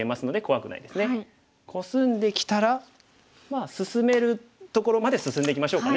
コスんできたらまあ進めるところまで進んでいきましょうかね。